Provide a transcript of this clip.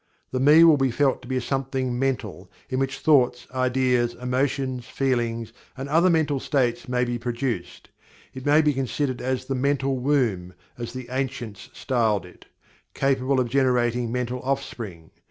The "Me" will be felt to be a Something mental in which thoughts, ideas, emotions, feelings, and other mental states may be produced. It may be considered as the "mental womb," as the ancients styled it capable of generating mental offspring.